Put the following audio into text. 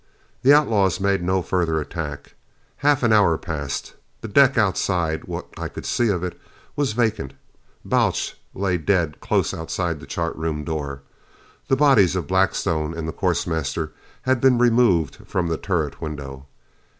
The outlaws made no further attack. Half an hour passed. The deck outside, what I could see of it, was vacant. Balch lay dead close outside the chart room door. The bodies of Blackstone and the course master had been removed from the turret window.